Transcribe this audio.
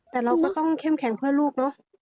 แต่เราก็ต้องเข้มแข็งเพื่อลูกเนอะ